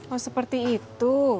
oh seperti itu